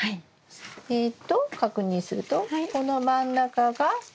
えっと確認するとこの真ん中が親づる。